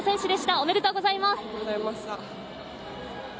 おめでとうございます。